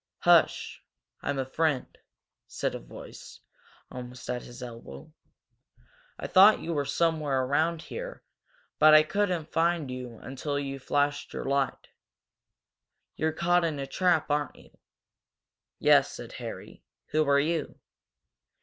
"Hush I'm a friend," said a voice, almost at his elbow. "'I thought you were somewhere around here but I couldn't find you until you flashed your light. You're caught in a trap, aren't you?" "Yes," said Harry. "Who are you?"